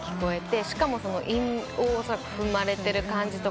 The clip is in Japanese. しかも韻をおそらく踏まれてる感じとか。